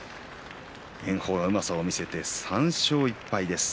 炎鵬がうまさを見せて３勝１敗です。